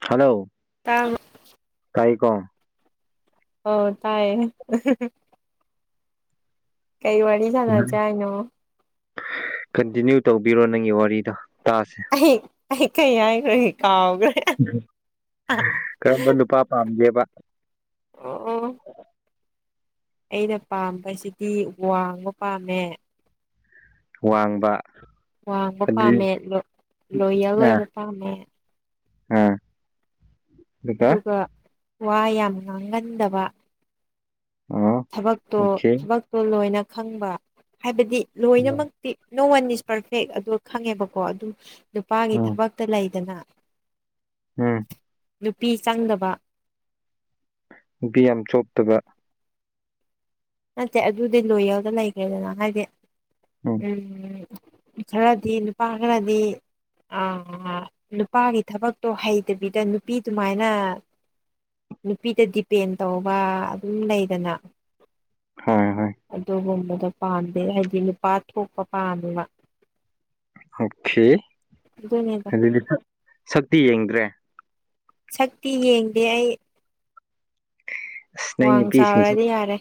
hello ꯇꯥꯡ ꯀꯥꯏꯀꯣ ꯑꯣ ꯇꯥꯏꯑꯌꯦ ꯁꯥꯟꯅꯁꯦ ꯍꯥꯏꯅꯣ ꯀꯟꯇꯤꯅ꯭ꯌꯨ ꯇꯧꯕꯤꯔꯣ ꯅꯪꯒꯤ ꯋꯥꯔꯤꯗ ꯑꯍ ꯑꯩ ꯀꯩ ꯌꯥꯏꯔꯍꯤ ꯀꯥꯎ ꯀꯔꯝꯕ ꯅꯨꯄꯥ ꯄꯥꯝꯒꯦꯕ ꯑꯣ ꯑꯣ ꯍ ꯑꯩꯅ ꯄꯥꯝꯕꯁꯤꯗꯤ ꯋꯥꯡꯕ ꯄꯥꯝꯃꯦ ꯋꯥꯡꯕ ꯋꯥꯡꯕ ꯑꯗꯨꯗꯤ ꯄꯥꯝꯃꯦ ꯂꯣꯌꯦꯜ ꯑꯣꯏꯕ ꯄꯥꯝꯃꯦ ꯍꯥꯝ ꯑꯗꯨꯒ ꯋꯥ ꯌꯥꯝ ꯉꯥꯡꯒꯟꯗꯕ ꯑꯣ ꯊꯕꯛꯇꯣ ꯑꯣꯀꯦ ꯊꯕꯛꯇꯣ ꯂꯣꯏꯅ ꯈꯪꯕ ꯍꯥꯏꯕꯗꯤ ꯂꯣꯏꯅꯃꯛꯇꯤ ꯅꯣ ꯋꯥꯟ ꯏꯁ ꯄꯔꯐꯦꯛ ꯑꯗꯨ ꯈꯪꯉꯦꯕꯀꯣ ꯑꯗꯨ ꯅꯨꯄꯥꯒꯤ ꯎꯝ ꯊꯕꯛꯇ ꯂꯩꯗꯅ ꯎꯝ ꯅꯨꯄꯤ ꯆꯪꯗꯕ ꯅꯨꯄꯤ ꯌꯥꯝ ꯆꯣꯞꯇꯕ ꯅꯠꯇꯦ ꯑꯗꯨꯗꯤ ꯂꯣꯏ ꯌꯔꯗ ꯂꯩꯈ꯭ꯔꯦꯗꯅ ꯍꯥꯏꯗꯤ ꯎꯝ ꯈꯔꯗꯤ ꯅꯨꯄꯥ ꯈꯔꯗꯤ ꯑꯥ ꯅꯨꯄꯥꯒꯤ ꯊꯕꯛꯇꯣ ꯍꯩꯇꯕꯤꯗ ꯅꯨꯄꯤ ꯑꯗꯨꯃꯥꯏꯅ ꯅꯨꯄꯤꯗ ꯗꯤꯄꯦꯟ ꯇꯧꯕ ꯑꯗꯨꯝ ꯂꯩꯗꯅ ꯍꯣꯏ ꯍꯣꯏ ꯑꯗꯨꯒꯨꯝꯕꯗꯣ ꯄꯥꯝꯗꯦ ꯍꯥꯏꯗꯤ ꯅꯨꯄꯥ ꯊꯣꯛꯄ ꯄꯥꯝꯃꯦꯅ ꯑꯣꯀꯦ ꯑꯗꯨꯗꯤ ꯁꯛꯇꯤ ꯌꯦꯡꯗ꯭ꯔꯦ ꯁꯛꯇꯤ ꯌꯦꯡꯗꯦ ꯑꯩ ꯑꯁ ꯅꯪ ꯋꯥꯡ ꯅꯨꯄꯤꯁꯤꯡꯁꯦ ꯆꯥꯎꯔꯗꯤ ꯌꯥꯔꯦ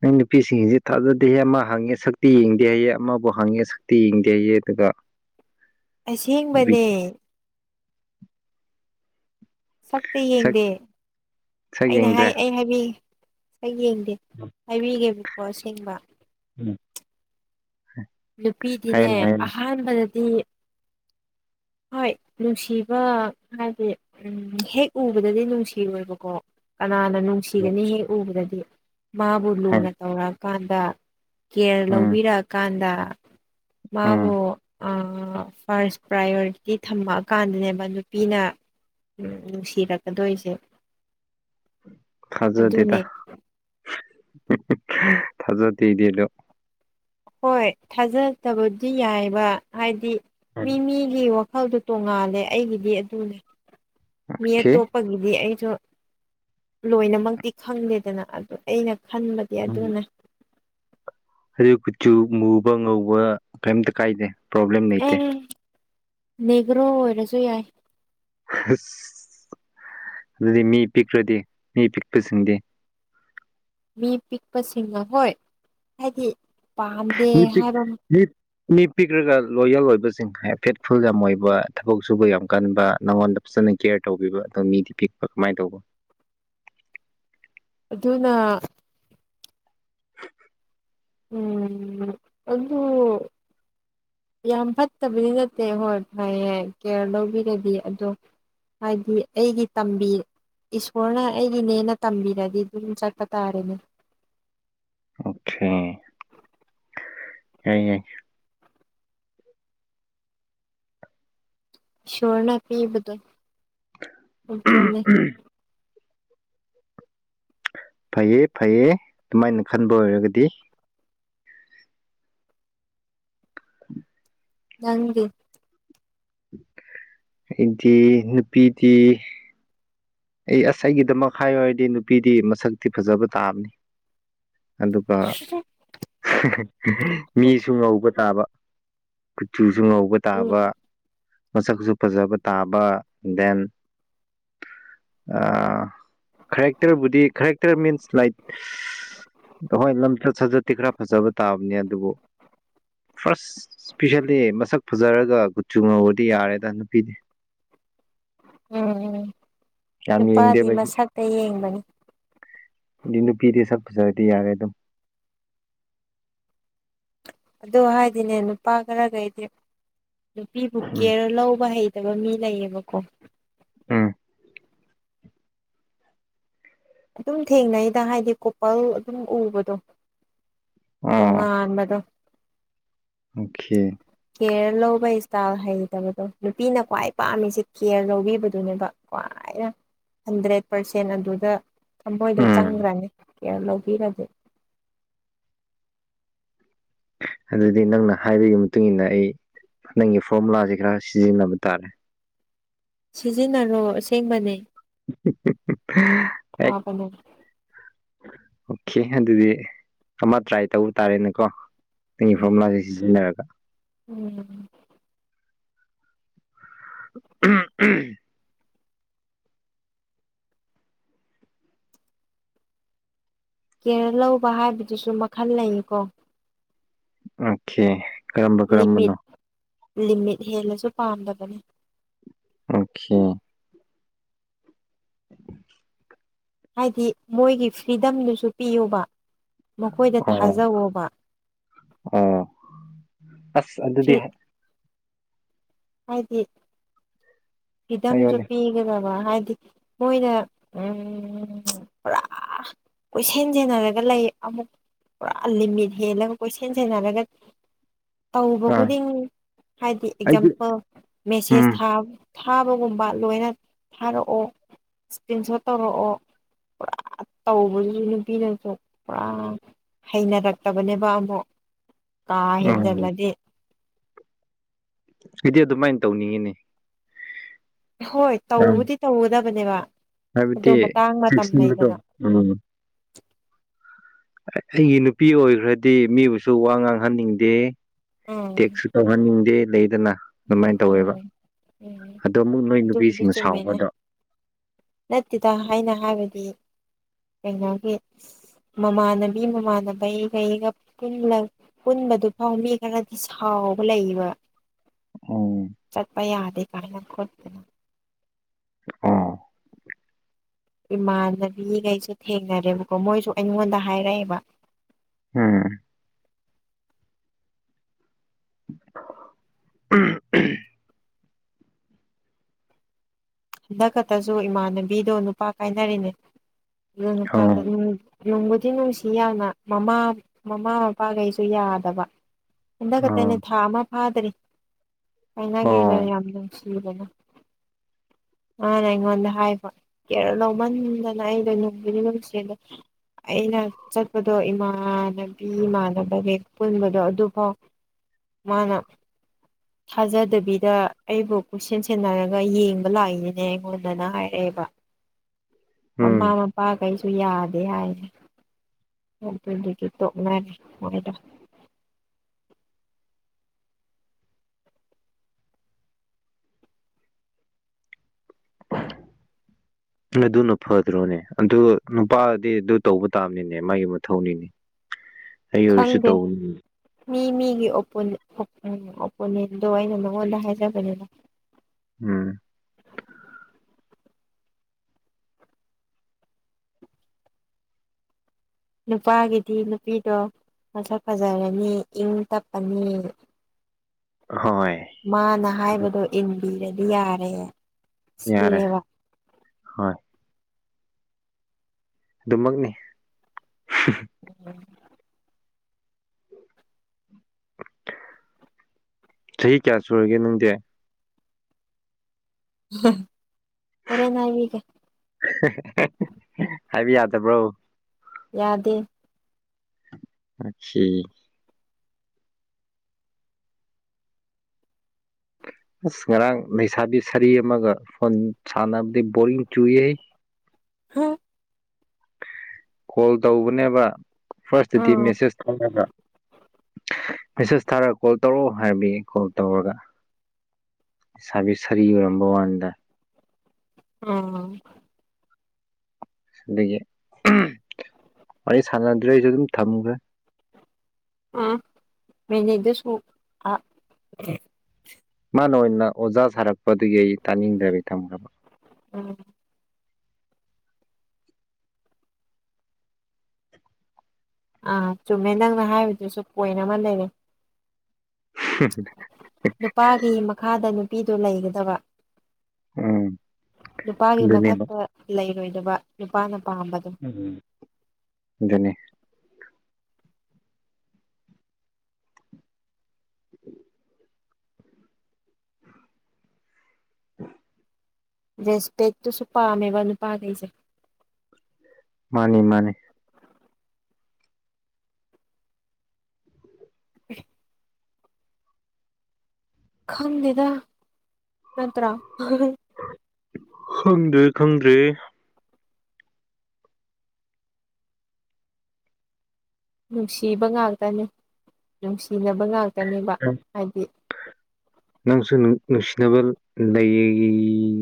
ꯅꯪ ꯅꯨꯄꯤꯁꯤꯡꯁꯤ ꯊꯥꯖꯗꯦꯍꯦ ꯑꯃ ꯍꯪꯉꯦ ꯁꯛꯇꯤ ꯌꯦꯡꯗꯦ ꯍꯩꯑꯦ ꯑꯃꯕꯨ ꯍꯪꯉꯦ ꯁꯛꯇꯤ ꯌꯦꯡꯗꯦ ꯍꯩꯑꯦ ꯑꯗꯨꯒ [unintelligible] ꯑꯁꯦꯡꯕꯅꯦ ꯁꯛꯇ ꯁꯛ ꯌꯦꯡꯗꯦ ꯁꯛ ꯑꯩꯅ ꯌꯦꯡꯗ꯭ꯔꯦ ꯍꯥꯏ ꯑꯩ ꯍꯥꯏꯕꯤ ꯍ ꯌꯦꯡꯗꯦ ꯍꯥꯏꯕꯤꯒꯦꯕꯀꯣ ꯑꯁꯦꯡꯕ ꯅꯨꯄꯤꯗꯤꯅꯦ ꯍꯥꯏꯌꯨꯅꯦ ꯑꯍꯥꯟꯕꯗꯗꯤ [unintelligible] [unintelligible] [unintelligible] ꯍꯣꯏ ꯅꯨꯡꯁꯤꯕ ꯍꯥꯏꯗꯤ ꯎꯝ ꯍꯦꯛ ꯎꯕꯗꯗꯤ ꯅꯨꯡꯁꯤꯔꯣꯏꯕꯀꯣ ꯀꯅꯥꯅ ꯅꯨꯡꯁꯤꯒꯅꯤ ꯍꯦꯛ ꯎꯕꯗꯗꯤ ꯃꯥꯕꯨ ꯍꯥꯏꯌꯨꯅꯦ ꯂꯨꯅ ꯇꯧꯔꯛꯑꯀꯥꯟꯗ ꯀꯦꯌꯔ ꯎꯝ ꯂꯧꯕꯤꯔꯛꯑꯀꯥꯟꯗ ꯎꯝ ꯃꯥꯃꯣ ꯐꯥꯔꯁ ꯄ꯭ꯔꯥꯏꯌꯣꯔꯤꯇꯤ ꯊꯝꯃꯛꯑꯀꯥꯟꯗꯅꯦꯕ ꯅꯨꯄꯤꯅ ꯎꯝ ꯅꯨꯡꯁꯤꯔꯛꯀꯗꯣꯏꯁꯦ ꯐꯖꯨꯔꯗꯇ ꯑꯗꯨꯅꯦ ꯊꯥꯖꯗꯤꯗꯗꯣ ꯍꯣꯏ ꯊꯥꯖꯗꯕꯗꯤ ꯌꯥꯏꯕ ꯍꯥꯏꯗꯤ ꯎꯝ ꯃꯤ ꯃꯤꯒꯤꯈ ꯃꯈꯜꯗꯨꯣ ꯇꯣꯡꯉꯥꯜꯂꯦ ꯑꯩꯒꯤꯗꯤ ꯑꯗꯨꯅꯦ ꯃꯤ ꯑꯣꯀꯦ ꯑꯇꯣꯞꯄꯒꯤꯗꯤ ꯑꯩ ꯁꯨ ꯂꯣꯏꯅꯃꯛꯇꯤ ꯈꯪꯗꯦꯗꯅ ꯑꯗꯨ ꯑꯩꯅ ꯈꯟꯕꯗꯤ ꯎꯝ ꯑꯗꯨꯅꯦ ꯑꯗꯨ ꯀꯨꯆꯨ ꯃꯨꯕ ꯉꯧꯕ ꯀꯔꯤꯝꯇ ꯀꯥꯏꯗꯦ ꯄ꯭ꯔꯣꯕ꯭ꯂꯦꯝ ꯂꯩꯇꯦ ꯑꯦ ꯅꯦꯒ꯭ꯔꯣ ꯑꯣꯏꯔꯁꯨ ꯌꯥꯏ ꯑ ꯑꯗꯨꯗꯤ ꯃꯤ ꯄꯤꯛꯈ꯭ꯔꯗꯤ ꯃꯤ ꯄꯤꯛꯄꯁꯤꯡꯗꯤ ꯃꯤ ꯄꯤꯛꯄꯁꯤꯡꯅ ꯍꯣꯏ ꯍꯥꯏꯗꯤ ꯄꯥꯝꯗꯦ ꯃꯤ ꯄꯤꯛ ꯍꯥꯏꯕ ꯃꯤ ꯃꯤ ꯄꯤꯈ꯭ꯔꯒ ꯂꯣꯌꯦꯜ ꯑꯣꯏꯕꯁꯤꯡ ꯐꯦꯠꯐꯨꯜ ꯌꯥꯝ ꯑꯣꯏꯕ ꯊꯕꯛ ꯁꯨꯕ ꯌꯥꯝ ꯀꯟꯕ ꯅꯪꯉꯣꯟꯗ ꯐꯖꯅ ꯀꯦꯌꯔ ꯇꯧꯕꯤꯕ ꯑꯗꯣ ꯃꯤꯗꯤ ꯄꯤꯛꯄ ꯀꯃꯥꯏꯅ ꯇꯧꯕ ꯑꯗꯨꯅ ꯎꯝ ꯑꯣ [unintelligible] ꯌꯥꯝ ꯐꯠꯇꯕꯗꯤ ꯅꯠꯇꯦ ꯍꯣꯏ ꯐꯩ ꯌꯥ ꯀꯦꯌꯔ ꯂꯧꯕꯤꯔꯗꯤ ꯑꯗꯣ ꯍꯥꯏꯗꯤ ꯑꯩꯒꯤ ꯇꯝꯕꯤ ꯏꯁꯣꯔꯅ ꯑꯩꯒꯤꯅꯦꯅ ꯇꯝꯕꯤꯔꯗꯤ ꯑꯗꯨꯝ ꯆꯠꯄ ꯇꯥꯔꯦꯅꯦ ꯑꯣꯛꯈꯦ ꯍ ꯌꯥ ꯁꯣꯔꯅꯥ ꯄꯤꯕꯗ ꯑꯣꯖꯅꯦ ꯐꯩꯌꯦ ꯐꯩꯌꯦ ꯑꯗꯨꯃꯥꯏꯅ ꯈꯟꯕ ꯑꯣꯏꯔꯒꯗꯤ [unintelligible] ꯅꯪꯗꯤ ꯑꯩꯗꯤ ꯅꯨꯄꯤꯗꯤ ꯑꯩ ꯑꯁ ꯑꯩꯒꯤꯗꯃꯛ ꯍꯥꯏꯌ ꯍꯥꯏꯔꯗꯤ ꯅꯨꯄꯤꯗꯤ ꯃꯁꯛꯇꯤ ꯐꯖꯕ ꯇꯥꯕꯅꯤ ꯑꯗꯨꯒ ꯃꯤꯁꯨ ꯉꯧꯕ ꯇꯥꯕ ꯀꯨꯆꯨꯁꯨ ꯉꯧꯕ ꯇꯥꯕ ꯎꯝ ꯃꯁꯛꯁꯨ ꯐꯖꯕ ꯇꯥꯕ ꯗꯦꯟ ꯈꯔꯦꯛꯇꯔꯕꯨꯗꯤ ꯈꯔꯦꯛꯇꯔ ꯃꯤꯟꯁ ꯂꯥꯏꯠ ꯍꯣꯏ ꯂꯝꯆꯠ ꯁꯥꯖꯠꯇꯤ ꯈꯔ ꯐꯖꯕ ꯇꯥꯕꯅꯦ ꯑꯗꯨꯕꯨ ꯐꯥꯔꯁ ꯏꯁꯄꯤꯁꯦꯜꯂꯤ ꯃꯁꯛ ꯐꯖꯔꯒ ꯀꯨꯆꯨ ꯉꯧꯕꯗꯤ ꯌꯥꯔꯦꯗ ꯅꯨꯄꯤꯗꯤ [inaudible] ꯎꯝ ꯌꯥꯝ ꯅꯨꯄꯥꯗꯤ ꯌꯦꯡꯗꯦꯕ ꯃꯁꯛꯇ ꯌꯦꯡꯕꯅꯤ ꯑꯗꯨꯗꯤ ꯅꯨꯄꯤꯗꯤ ꯁꯛꯄ ꯁꯗꯤ ꯌꯥꯔꯦ ꯑꯗꯨꯝ ꯑꯗꯨ ꯍꯥꯏꯗꯤꯅꯦ ꯅꯨꯄꯥ ꯈꯔꯈꯩꯗꯤ ꯅꯨꯄꯤꯕꯨ ꯎꯝ ꯀꯦꯔ ꯂꯧꯕ ꯍꯩ ꯅꯠꯇꯕ ꯃꯤ ꯂꯩꯌꯦꯕꯀꯣ ꯑꯥ ꯑꯗꯨꯝ ꯊꯦꯡꯅꯩꯗ ꯍꯥꯏꯗꯤ ꯀꯣꯄꯜ ꯑꯗꯨꯝ ꯎꯕꯗꯣ ꯇꯣꯡꯉꯥ ꯑꯣ ꯑꯝꯕꯗꯣ ꯑꯣꯀꯦ ꯀꯦꯌꯔ ꯂꯧꯕ ꯏꯁꯇꯥꯏꯜ ꯍꯩꯇꯕꯗꯣ ꯅꯨꯄꯤꯅ ꯈ꯭ꯋꯥꯏ ꯄꯥꯝꯃꯤꯁꯦ ꯀꯦꯌꯔ ꯂꯧꯕꯤꯕꯗꯨꯅꯦꯕ ꯀꯣ ꯍꯟꯗ꯭ꯔꯦꯠ ꯄꯥꯔꯁꯦꯟ ꯑꯗꯨꯗ ꯊꯃꯣꯏꯗꯣ ꯎꯝ ꯆꯪꯈ꯭ꯔꯅꯤ ꯀꯤꯌꯔ ꯂꯧꯕꯤꯔꯒꯦ ꯑꯗꯨꯗꯤ ꯅꯪꯅ ꯍꯥꯏꯕꯒꯤ ꯃꯇꯨꯡ ꯃꯇꯨꯡꯏꯟꯅ ꯑꯩ ꯅꯪꯒꯤ ꯐꯣꯔꯃꯨꯂꯥꯥꯁꯦ ꯈꯔ ꯁꯤꯖꯤꯟꯅꯕ ꯇꯥꯔꯦ ꯁꯤꯖꯤꯟꯅꯔꯣ ꯑꯁꯦꯡꯕꯅꯦ ꯎ ꯎ ꯎ ꯑ ꯐꯅꯦ ꯑꯣꯀꯦ ꯑꯗꯨꯗꯤ ꯑꯃ ꯇ꯭ꯔꯥꯏ ꯇꯧꯕ ꯇꯥꯔꯦꯅꯦꯀꯣ ꯇꯨꯡꯒꯤ ꯎꯝ ꯐ꯭ꯔꯣꯝꯂꯥꯁꯦ ꯁꯤꯖꯤꯟꯅꯔꯒ ꯎꯝ ꯎꯝ ꯎ ꯀꯦꯔ ꯂꯧꯕ ꯍꯥꯏꯕꯗꯨꯁꯨ ꯃꯈꯜ ꯂꯩꯌꯦꯀꯣ ꯑꯣꯀꯦ ꯀꯔꯝꯕ ꯂꯤꯃꯤꯠ ꯀꯔꯝꯕꯅꯣ ꯂꯤꯃꯤꯠ ꯍꯦꯜꯂꯁꯨ ꯄꯥꯝꯗꯕꯅꯤ ꯑꯣꯀꯦ [inaudible] ꯍꯥꯏꯗꯤ ꯃꯣꯏꯒꯤ ꯐ꯭ꯔꯤꯗꯝꯗꯨꯁꯨ ꯄꯤꯌꯨꯕ ꯃꯈꯣꯏꯗ ꯑꯣ ꯊꯥꯖꯋꯕ ꯑꯣ ꯑꯁ ꯑꯗꯨ ꯑꯗꯨꯗꯤ ꯍꯥꯏ ꯍꯥꯏꯗꯤ ꯐꯤꯗꯝꯁꯨ ꯍꯥꯏꯌꯣꯅꯦ ꯄꯤꯒꯗꯕ ꯍꯥꯏꯗꯤ ꯃꯣꯏꯅ ꯎ ꯄꯨꯔꯥ ꯀꯣꯏꯁꯦꯟ ꯁꯦꯟꯅꯔꯒ ꯂꯩ ꯑꯃꯨꯛ ꯄꯨꯔꯥ ꯂꯤꯃꯤꯠ ꯍꯦꯜꯂꯒ ꯀꯣꯏ ꯁꯦꯟꯖꯟꯅꯔꯒꯗꯤ ꯇꯧꯕ ꯑꯥ ꯈꯨꯗꯤꯡꯒꯤ ꯍꯥꯏꯗꯤ ꯑꯩꯗꯤ ꯑꯦꯛꯖꯥꯝꯄꯜ ꯃꯦꯁꯦꯁ ꯎꯝ ꯊꯥꯕ ꯊꯥꯕꯒꯨꯝꯕ ꯂꯣꯏꯅ ꯊꯥꯔꯛꯑꯣ ꯏꯁꯀ꯭ꯔꯤꯟ ꯁꯣꯠ ꯇꯧꯔꯛꯑꯣ ꯄꯨꯔꯥ ꯇꯧꯕꯗꯨꯁꯨ ꯅꯨꯄꯤꯅꯁꯨ ꯄꯨꯔꯥ ꯍꯩꯅꯔꯛꯇꯕꯅꯦꯕ ꯑꯃꯨꯛ ꯀꯥ ꯎꯝ ꯍꯦꯟꯖꯤꯜꯂꯗꯤ ꯑꯩꯗꯤ ꯑꯗꯨꯃꯥꯏꯅ ꯇꯧꯅꯤꯡꯉꯤꯅꯦ ꯍꯣꯏ ꯌꯥꯝ ꯇꯧꯕꯗꯤ ꯇꯧꯒꯗꯕꯅꯦꯕ ꯑꯗꯨ ꯍꯥꯏꯕꯗꯤ ꯃꯇꯥꯡ ꯃꯇꯝ ꯆꯦꯛꯁꯤꯟꯕꯗꯣ ꯂꯩꯗꯅ ꯎꯝ ꯑꯩꯒꯤ ꯅꯨꯄꯤ ꯑꯣꯏꯈ꯭ꯔꯗꯤ ꯃꯤꯕꯨꯁꯨ ꯋꯥ ꯉꯥꯡꯍꯟꯅꯤꯡꯗꯦ ꯎꯝ ꯇꯦꯛꯁꯨ ꯇꯍꯅꯤꯡꯗꯦ ꯂꯩꯗꯅ ꯑꯗꯨꯃꯥꯏꯅ ꯇꯧꯋꯦꯕ ꯎꯝ ꯎꯝ ꯑꯗꯣ ꯑꯃꯨꯛ ꯅꯣꯏ ꯑꯗꯨꯕꯨꯗꯤ ꯅꯨꯄꯤꯁꯤꯡꯅ ꯆꯨꯝꯃꯦꯅꯦ ꯁꯥꯎꯕꯗꯣ ꯅꯠꯇꯦꯗ ꯍꯥꯏꯅ ꯍꯥꯏꯕꯗꯤ ꯀꯩꯅꯒꯤ ꯃꯃꯥꯅꯕꯤ ꯃꯃꯥꯟꯕꯤꯏꯒ ꯑꯩꯒ ꯀ ꯄꯨꯟꯕꯗꯨ ꯐꯥꯎꯅꯤ ꯈꯔꯗꯤ ꯁꯥꯎꯕ ꯂꯩꯌꯦꯕ ꯑꯣ ꯆꯠꯄ ꯌꯥꯗ ꯀꯥꯏꯅꯪꯠꯇꯦꯅ ꯑꯥ ꯏꯃꯥꯟꯅꯕꯤꯈꯩꯁꯦ ꯊꯦꯡꯅꯔꯦꯕꯀꯣ ꯃꯣꯏꯁꯨ ꯑꯩꯉꯣꯟꯗ ꯍꯥꯏꯔꯛꯑꯦꯕ ꯎꯝ ꯎꯝ ꯍꯟꯗꯛ ꯈꯛꯇꯁꯨ ꯏꯃꯥꯟꯅꯕꯤꯗꯣ ꯅꯨꯄꯥ ꯀꯥꯏꯅꯔꯤꯅꯦ ꯑꯗꯨ ꯅꯨꯄꯥꯗ ꯑꯣ ꯅꯨꯡꯕꯨꯗꯤ ꯅꯨꯡꯁꯤ ꯌꯥꯅ ꯃꯃꯥ ꯃꯃꯥ ꯃꯄꯥꯈꯩꯁꯨ ꯌꯥꯎ ꯌꯥꯗꯕ ꯍꯟꯗ ꯈꯛꯇꯅꯦ ꯑꯣ ꯊꯥ ꯑꯃ ꯐꯥꯗ꯭ꯔꯤ ꯍꯥꯏꯅꯒꯤꯗ ꯑꯣ ꯌꯥꯝ ꯅꯨꯡꯁꯤꯔꯅ ꯃꯥꯅ ꯑꯩꯉꯣꯟꯗ ꯍꯥꯏꯕ ꯀꯦꯔꯣ ꯂꯧꯃꯟꯗꯅ ꯑꯩꯗꯣꯏ ꯅꯨꯡꯒꯤꯗꯤ ꯅꯨꯡꯁꯤꯗ ꯑꯩꯅ ꯆꯠꯄꯗꯣ ꯏꯃꯥꯟꯅꯕꯤ ꯏꯃꯥꯟꯅꯕ ꯍꯦꯛ ꯄꯨꯟꯕꯗꯣ ꯑꯗꯨꯐꯥꯎ ꯃꯥꯅ ꯊꯥꯖꯗꯕꯤꯗ ꯑꯩꯕꯨ ꯀꯣꯏꯁꯟ ꯁꯦꯟꯅꯔꯒ ꯌꯦꯡꯉ ꯂꯥꯛꯅꯦ ꯑꯩꯉꯣꯟꯗꯅ ꯍꯥꯏꯔꯛꯑꯦꯕ ꯃꯃꯥ ꯎꯝ ꯃꯄꯥ ꯀꯩꯁꯨ ꯌꯥꯗꯦ ꯍꯥꯏꯁꯦ ꯗꯤ ꯇ ꯃꯅꯤꯏꯗ ꯑꯗꯨꯅ ꯐꯗ꯭ꯔꯣꯅꯦ ꯑꯗꯨ ꯅꯨꯄꯥꯗꯤ ꯑꯗꯨ ꯇꯧꯕ ꯇꯥꯕꯅꯤꯅꯦ ꯃꯥꯒꯤ ꯃꯊꯧꯅꯤꯅꯦ ꯑꯩ ꯑꯣꯏꯔꯁꯨ ꯇꯧꯅꯤ ꯑꯩꯒꯤ ꯑꯣꯄꯣꯅꯦꯟꯗꯣ ꯑꯩꯅ ꯅꯉꯣꯟꯗ ꯍꯥꯏꯖꯕꯅꯤꯅ ꯎꯝ ꯅꯨꯄꯥꯒꯤꯗꯤ ꯅꯨꯄꯤꯗꯣ ꯃꯁꯛ ꯐꯖꯔꯅꯤ ꯏꯪ ꯇꯞꯄꯅꯤ ꯍꯣꯏ ꯃꯥꯅ ꯍꯥꯏꯕꯗꯣ ꯏꯟꯕꯤꯔꯗꯤ ꯌꯥꯔꯦ ꯌꯥꯔꯦ ꯁꯤꯅꯦꯕ ꯍꯣꯏ ꯑꯗꯨꯃꯛꯅꯤ ꯎꯝ ꯆꯍꯤ ꯀꯌꯥ ꯁꯨꯔꯒꯦ ꯅꯨꯡꯗꯤ ꯑꯣꯔꯦꯅ ꯍꯥꯏꯒ ꯍꯥꯏꯕ ꯌꯥꯗꯕ꯭ꯔꯣ ꯌꯥꯗꯦ ꯑꯆꯦ ꯑꯁ ꯉꯔꯥꯡ ꯂꯩꯩꯁꯥꯕꯤ ꯁꯔꯤ ꯑꯃꯒ ꯐꯣꯟ ꯁꯥꯟꯅꯕꯗ ꯕꯣꯔꯤꯡ ꯆꯨꯌꯦ [inaudible] ꯀꯣꯜ ꯇꯧꯕꯅꯦꯕ ꯐꯔꯁꯗꯤ ꯎꯝ ꯃꯦꯁꯦꯁ ꯊꯅ ꯃꯦꯁꯦꯁ ꯊꯥꯔꯒ ꯀꯣꯜ ꯇꯧꯔꯛꯑꯣ ꯍꯥꯏꯔꯕꯤ ꯀꯣꯜ ꯇꯧꯔꯒ ꯏꯁꯥꯕꯤ ꯁꯥꯔꯤ ꯌꯔꯝꯕ ꯋꯥꯟꯗ ꯑ ꯑꯗꯒꯤ ꯋꯥꯔꯤ ꯁꯥꯟꯅꯗ꯭ꯔꯦ ꯑꯩꯁꯨ ꯑꯗꯨꯝ ꯊꯝꯈ꯭ꯔꯦ ꯑ ꯃꯤꯅꯤꯗ ꯁ ꯑ ꯃꯥꯅ ꯑꯣꯏꯅ ꯑꯣꯖꯥ ꯁꯥꯔꯛꯄꯗꯨꯒꯤ ꯑꯩ ꯇꯥꯅꯤꯡꯗꯕꯤ ꯊꯝꯈ꯭ꯔꯕ ꯎꯝ ꯑꯥ ꯆꯨꯝꯃꯦ ꯅꯪꯅ ꯍꯥꯏꯕꯗꯨꯁꯨ ꯄꯣꯏꯟ ꯑꯃ ꯂꯩꯔꯦ ꯅꯨꯄꯥꯒꯤ ꯃꯈꯥꯗ ꯅꯨꯄꯤꯗꯨ ꯂꯩꯒꯗꯕ ꯎꯝ ꯅꯨꯄꯥꯒꯤ ꯑꯗꯨꯅꯦꯕ ꯃꯊꯛꯇ ꯂꯩꯔꯣꯏꯗꯕ ꯅꯨꯄꯥꯅ ꯄꯥꯝꯕꯗꯣ ꯎꯝ ꯑꯗꯨꯅꯤ ꯎꯝ ꯑ ꯔꯦꯁꯄꯦꯠ ꯇ ꯁꯄꯥꯥ ꯃ ꯋꯥꯅ ꯄꯥ ꯀꯩꯁ ꯃꯥꯅꯤ ꯃꯥꯅꯤ ꯑ ꯈꯪꯗꯦꯗ ꯅꯠꯇ꯭ꯔ ꯈꯪꯗ꯭ꯔꯦ ꯈꯪꯗ꯭ꯔꯦ ꯅꯨꯡꯁꯤꯕ ꯉꯥꯛꯇꯅꯤ ꯅꯨꯡꯁꯤꯅꯕ ꯉꯥꯛꯇꯅꯦꯕ ꯍꯥꯏꯗꯤ ꯅꯪꯁꯨ ꯅꯨꯡꯁꯤꯅꯕ ꯂꯩ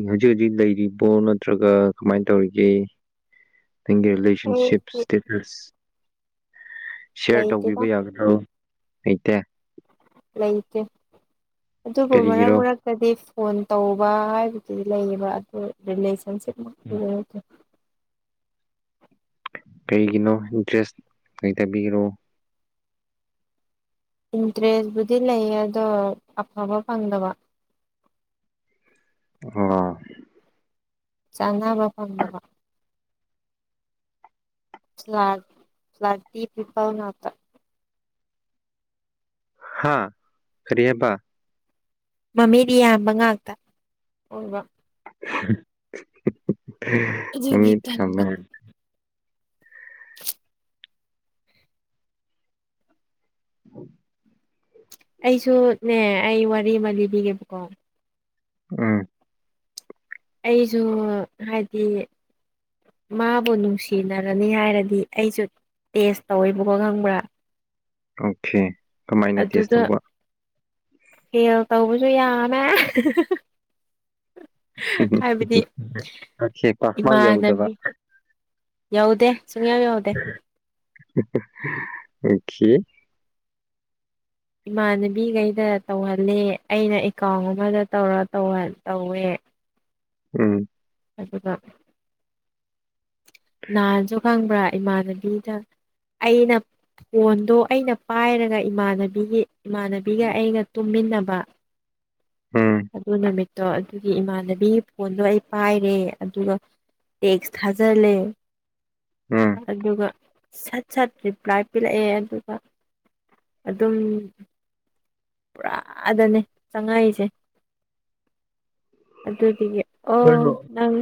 ꯍꯧꯖꯤꯛ ꯍꯧꯖꯤꯛ ꯂꯩꯔꯤꯕꯣ ꯅꯠꯇ꯭ꯔꯒ ꯀꯃꯥꯏꯅ ꯇꯧꯔꯤꯒꯦ ꯅꯪꯒꯤ ꯔꯤꯂꯦꯁꯟꯁꯤꯞ ꯑꯩꯗꯤ ꯏꯁꯇꯦꯇꯁ ꯁꯤꯌꯥꯔ ꯂꯩꯇꯦꯗ ꯇꯧꯕꯤꯕ ꯌꯥꯒꯗ꯭ꯔꯣ ꯂꯩꯇꯦ ꯂꯩꯇꯦ ꯑꯗꯨꯕꯨ ꯃꯔꯛ ꯀꯔꯤꯒꯤꯔꯣ ꯃꯔꯛꯇꯗꯤ ꯐꯣꯟ ꯇꯧꯕ ꯍꯥꯏꯕꯗꯨꯗꯤ ꯂꯩꯌꯦꯕ ꯑꯗꯨ ꯔꯤꯂꯦꯁꯟꯁꯤꯞꯃꯛꯇꯤꯗ꯭ꯔꯦ ꯀꯔꯤꯒꯤꯅꯣ ꯏꯟꯇꯔꯦꯁ ꯂꯩꯇꯕꯤꯒꯤꯑꯣ ꯏꯟꯇꯔꯦꯁꯕꯨꯗꯤ ꯂꯩ ꯑꯗꯣ ꯑꯐꯕ ꯐꯪꯗꯕ ꯑꯥ ꯆꯥꯅꯕ ꯐꯪꯗꯕ ꯐ꯭ꯂꯗꯤ ꯄꯤꯄꯜ ꯅꯛꯇ ꯍꯥꯥ ꯀꯔꯤꯌꯦꯕ ꯃꯃꯤꯗꯤ ꯌꯥꯝꯌꯥꯝꯕ ꯉꯥꯛꯇ ꯑꯣꯏꯕ ꯑꯗꯨꯒꯤ ꯇꯟꯕ ꯃꯃꯤꯗꯃ [inaudible] ꯎꯝ ꯑꯩꯁꯨꯅꯦ ꯑꯩ ꯋꯥꯔꯤ ꯑꯃ ꯂꯤꯕꯤꯒꯦꯕꯀꯣ ꯑꯝ ꯑꯩꯁꯨ ꯍꯥꯏꯕꯗꯤ ꯃꯥꯕꯨ ꯅꯨꯡꯁꯤꯅꯔꯅꯤ ꯍꯥꯏꯔꯗꯤ ꯑꯩꯁꯨ ꯇꯦꯁ ꯇꯧꯋꯤꯕꯀꯣ ꯈꯪꯕ꯭ꯔꯥ ꯑꯣꯀꯦ ꯀꯃꯥꯏꯅ ꯇꯦꯁ ꯇꯧꯕ ꯍꯦꯜ ꯇꯧꯁꯨ ꯌꯥꯃꯦ ꯎꯝ ꯍꯥꯏꯕꯗꯤ ꯑꯣꯀꯦ ꯄꯥꯛꯃꯛ ꯌꯧꯗꯕ ꯏꯃꯥꯟꯅꯕꯤ ꯌꯥꯎꯗꯦ ꯁꯨꯡꯌꯥ ꯌꯥꯎꯗꯦ ꯑꯣꯈꯤ ꯏꯃꯥꯟꯅꯕꯤꯈꯩꯗ ꯇꯧꯍꯜꯂ ꯑꯩꯅ ꯑꯦꯀꯥꯎꯟ ꯑꯃꯗ ꯇꯧꯔ ꯇꯧꯋꯦ ꯎꯝ ꯑꯗꯨꯒ ꯍꯥꯟꯟꯁꯨ ꯈꯪꯕ꯭ꯔꯥ ꯏꯃꯥꯟꯅꯕꯤꯗ ꯑꯩꯅ ꯐꯣꯟꯗꯣ ꯑꯩꯅ ꯄꯥꯏꯔꯒ ꯏꯃꯥꯟꯅꯕꯤꯒꯤ ꯏꯃꯥꯟꯅꯕꯤꯒ ꯑꯩꯒ ꯇꯨꯝꯃꯤꯟꯅꯕ ꯎꯝ ꯑꯗꯨ ꯅꯨꯃꯤꯠꯇꯣ ꯑꯗꯨꯒꯤ ꯏꯃꯥꯟꯅꯕꯤꯒꯤ ꯐꯣꯟꯗꯣ ꯑꯩ ꯄꯥꯏꯔꯦ ꯑꯗꯨꯒ ꯇꯦꯛꯁ ꯊꯖꯔ ꯂꯩꯦ ꯎꯝ ꯑꯗꯨꯒ ꯁꯠ ꯁꯠ ꯔꯤꯄ꯭ꯂꯥꯏ ꯄꯤꯂꯛꯑꯦ ꯑꯗꯨꯒ ꯑꯗꯨꯝ ꯄꯨꯔꯥꯗꯅꯦ ꯆꯪꯉꯥꯏꯁꯦ ꯑꯗꯨꯗꯤꯗꯒꯤ ꯑꯣ ꯀꯩꯅꯣ ꯅꯪ